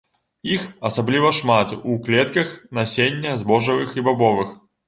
Іх асабліва шмат у клетках насення збожжавых і бабовых.